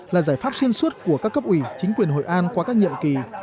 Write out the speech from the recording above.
là giải pháp xuyên suốt của các cấp ủy chính quyền hội an qua các nhiệm kỳ